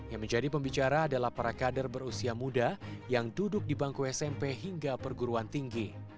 yang menjadi pembicara adalah para kader berusia muda yang duduk di bangku smp hingga perguruan tinggi